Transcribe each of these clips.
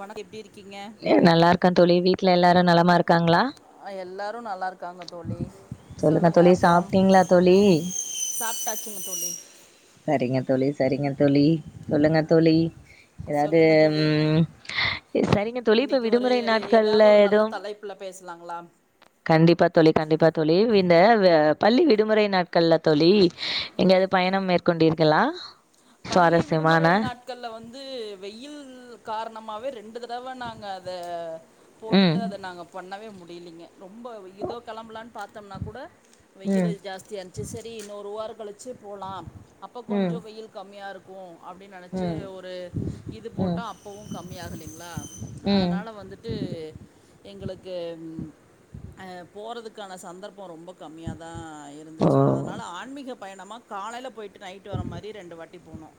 வணக்கம் எப்டி இருக்கீங்க ஏ நல்லா இருக்க தோழி வீட்ல எல்லாரு நலமா இருக்காங்ளா எல்லாரு நல்லா இருக்காங்க தோழி சொல்லுங்க தோழி அப்றோம் சாப்ட்டீங்களா தோழி சாப்ட்டாச்சிங்க தோழி சரிங்க தோழி சரிங்க தோழி சொல்லுங்க தோழி ஏதாது சொல்லுங்க தோழி ம் சரிங்க தோழி இப்ப இன்னைக்கு ஒரு விடுமுறை நாட்கள்ல ஏதாவது ஒரு நல்ல எதும் தலைப்புல பேசலாங்களா கண்டிப்பா தோழி கண்டிப்பா தோழி இந்த வ பள்ளி விடுமுறை நாட் கள்ல தோழி ம் எங்கயாது பயணம் மேற்கொண்டீர்களா பள்ளி சுவாரஸ்யமான விடுமுறை நாட் கள்ல வந்து வெயில் கார்ணமாவே ரெண்டு தடவ நாங்க அத போட்டுட்டு ம் அத நாங்க பண்ணவே முடியிலிங்க ரொம்ப இதோ கெளம்பலான்னு பாத்தோம்னா கூட வெயிலு ம் ஜாஸ்தியா ஆச்சு சரி இன்னொருவாரோ கலிச் சி போலா அப்ப ம் கொஞ்சோ வெயில் கம்மியா இருக்கோ அப்டின் நெனச்சி ம் ஒரு இது ம் போட்டோ அப்பவும் கம்மி ஆகலீங்ளா ம் அதனால வந்துட்டு எங்குளுக்கு ம் அ போறதுக்கான சந்தர்ப்போ ரொம்ப கம்மியா தா ஓ இருந்துச்சு அதனால ஆன்மீக பயணமா காலைல போயிட்டு நைட் வர மாறி ரெண்டு வ ட்டி போனோம்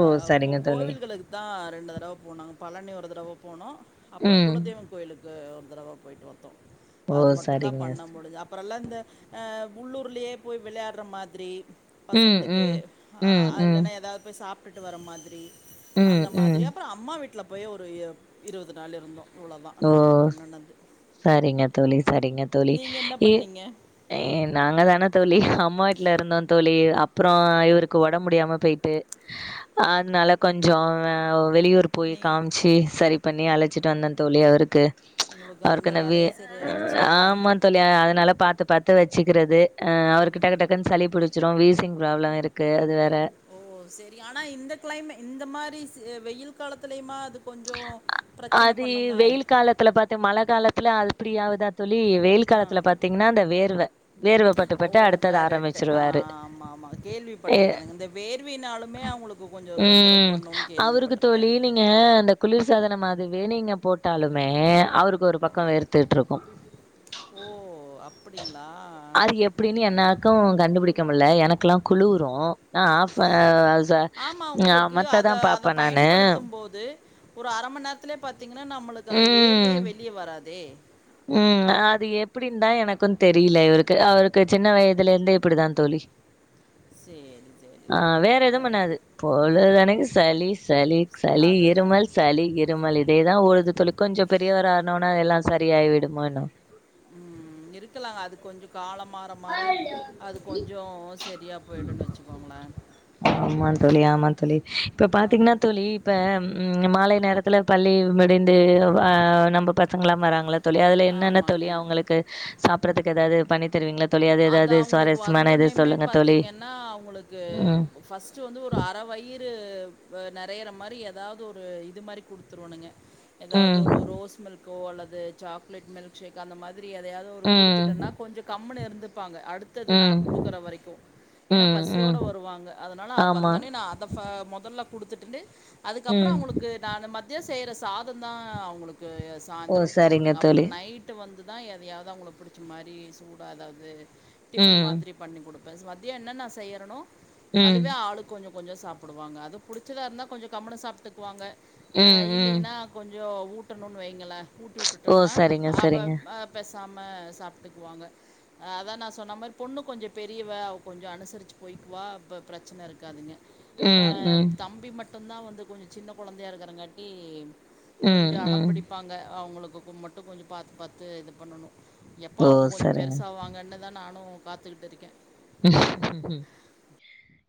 ஓ அ சரிங்க தோழி கோவில்களுக்கு தான் ரெண்டு தடவை போனாங்க பழனி ஒரு தடவை போனோம் அப்புறம் ம் குலதெய்வ கோயிலுக் கு ஒரு தறவ போயிட்டு வத்தோம் ஓ அது மட்டும் தான் பண்ண சரிங்க முடிஞ்ச அப் அப்புறம் எல்லா இந்த அ உள்ளூர்லயே போயி விளையாட்ற மாதிரி ம் பசங்குளுக்கு ம் அ ம் ம் அல ஏதாது போயி சாப்ட்டுட்டு வர மாதிரி ம் அந்த ம் மாதிரி அப்புறம் அம்மா வீட்ல அப்பயே ஒரு இருவது நாள் இருந்தோம் இவ்வளோதான் ஓ நாங்கள் பண்ணினது சரிங்க தோழி சரிங்க தோழி நீங்க என்ன இ பண்ணீங்க ஏ நாங்க தானே தோழி அம்மா வீட்ல இருந்தோம் தோழி அப்றோ இவருக்கு ஒடம் முடியாம போயிட்டு அதனால கொஞ்சம் வெளியூர் போய் நீ காமிச்சு சரி பண்ணி அழச்சிட்டு வந்தேன் தோழி அவருக்கு உங்களுக்கு அந்த அவருக்கனவே வேலையே சரியாயிடுச்சுங்களா ஆமா தோழி அதனால பாத்து பாத்து வச்சுக்கிறது அ அவர்க்கு டக்கு டக்குன்னு சளி புடிச்சிடும் வீசிங் ப்ராப்ளம் இருக் கு அது வேற ஓ சேரி ஆனா இந்த க்ளைமெ இந்த மாறி வெயில் காலத்துலயுமா அது கொஞ்ஜோம் ப்ரச்சன அது பண்ணுங்க வெயில் காலத்துல பாத் மழ காலத்துல அ ப்டி ஆவுதா தோழி வெயில் ஆ காலத்துல பாத்தீங்னா அந்த வேர்வ வேர்வைப் பட்டுப்பட்டு அடுத்தது ஆரம்பிச் ட்டு ஆ ஆமா ஆமா கேள்விப்பட்டிருக்கனுங்க இந்த வேர்வினாலுமே அவங்களுக்கு கொஞ்சம் தொந்தரவு ம் பண்ணும் அவருக்கு கேள்விப்பட்ருக்கேன் தோழி நீங்க அந்த குளிர் சாதனம் மாறி வேணீங்க போட்டாலுமே அவருக் க்கு ஒரு பக்கம் வேர்த்துட்டு இருக்கும் ஓ அப்படிங்களா அது எப் எப்டின்னு என்னாக்கும் கண்டுபிடிக்க முட்ல எனக்கெல்லாம் குழுரும் நா ஆஃப்ப அ ச ஆமா ஆ உங்குளுக்கு அத மத்ததா அத பாப்பே நானு பயன்படுத்தும் போது ஒரு அர மணி நேரத்துலயே பாத்தீங்கனா நம்மளுக்கு அந்த ம் வேர்வையே வெளிய வராதே ம் அது எப்டின் தா எனக்கும் தெரில இவருக்கு அவருக்கு சின்ன வயதுல இருந்தே இப்டி தா தோழி சேரி சேரி அ வேற எதுவும் பண்ணாது பொழுதனைக்கும் சளி சளி சளி அதுதான் இருமல் சளி இருமல் இதேதா ஒழுது தோழி கொஞ்சம் பெரியவர் ஆன உடனே எல்லாம் சரியாயிடுமா என்னமோ ம் இருக்கலாங்க அது கொஞ்சோ காலம் மாற மாற அது கொஞ்சோ செரியா போயிடுன்னு வச்சுக்கோங்களே ஆமா தோழி, ஆமா தோழி, இப்ப பாத்தீங்கனா அது தோழி இப்ப ம் மாலை நேரத்துல பள்ளி முடிந்து அ நம்ம பசங்கெல்லா வராங்கல்ல தோழி அதுல என்னென்ன ஆமாங்க தோழி அவங்களுக்கு சாப்பட்றதுக்கு ஏதாவது பண்ணி தருவீங்களா தோழி அது ஏதாவது அவங்களுக்கு சுவாரஸ்யமான இது வந்தோன்னைமே சொல்லுங்க தோழி பாத்தீங்கன்னா அவங்களுக்கு ம் ஃபர்ஸ்ட் வந்து ஒரு அர வயிறு வ நெறையிற மாரி ஏதாவது ஒரு இது மாரி குடுத்துருவனுங்க ஏதாவது ம் ஒரு ரோஸ் மில்க்கோ அல்லது சாக்லேட் மில்க் ஷேக் அந்த மா திரி எதையாவது ஒரு குடுத்துட்டன்னா ம் கொஞ்சோ கம்முன்னு இருந்துப்பாங்க அடுத் தது நா ம் குடுக்கற வரைக்கு ஏன்னா ம் ம் பசியோட வருவாங்க அதனால ஆமா வந்தோனே நா அத ஃப மொதல்ல குடுத்துட்டுன்டு அதுக்கப்பறோ ம் அவங்களுக்கு நானு மதியம் செய்யற சாதம்தா அவங்களுக்கு ஓ சாயந்திர சரிங்க குடுப்பனுங்க அப்பற தோழி நைட் டு வந்துதா எதையாவது அவங்களுக்கு புடிச்ச மாரி சூடா ஏதாவது டிஃபன் ம் மாதிரி பண்ணி குடுப்பே மதியம் என்ன நா செய்யறனோ ம் அதுவே ஆளுக் கொஞ்ச கொஞ்சோ சாப்புடுவாங்க அது புடிச்சதா இருந்தா கொஞ்ச கம்முன்னு சாப்ட்டுக்குவாங்க அ ம் ம் இல்லைன்னா கொஞ்சோ ஊட்டணுனு வைங்களே ஊட்டி ஓ விட்டுட்டோம்னா சரிங்க அப்ப சரிங்க அப் பேசாம சாப்ட்டுக்குவாங்க அ அதா நா சொன்ன மாரி பொண்ணு கொஞ்சோ பெரியவ அவ கொஞ்சோ அனுசரிச்சு போய்க்குவா இப்ப பிரச்சன இருக்காதுங்க இவ ம் ம் தம்பி மட்டுந்தா வந்து கொஞ்சோ சின்ன கொழந்தையா இருக்கறங்காட்டி ம் கொஞ்சோ அடம் ம் பிடிப்பாங்க அவங்களுக்கு கு மட்டு கொஞ்சோ பாத்து பாத்து இது பண்ணணு எப்ப ஓ அவங்க கொஞ்சோ சரிங்க பெருசாவாங்கன்னுதா நானு காத்துக்கிட்டு இருக்கே ம்